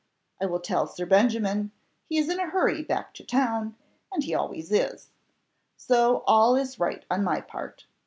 I will tell Sir Benjamin, he is in a hurry back to town, and he always is. So all is right on my part.